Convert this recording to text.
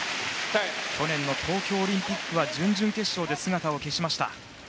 去年の東京オリンピックは準々決勝で姿を消しました。